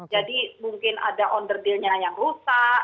jadi mungkin ada onderdeelnya yang rusak